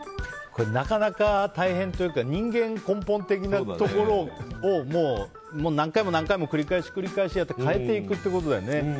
これ、なかなか大変というか人間の根本的なところを何回も何回も繰り返し繰り返しやって変えていくってことだよね。